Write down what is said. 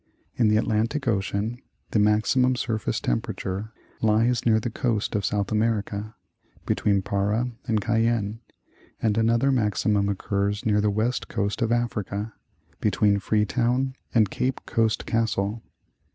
In the Atlantic Ocean the maximum surface temperature lies near the coast of South America, between Para and Cayenne, and another maximum occurs near the west coast of Africa, between Freetown and Cape Coast Castle.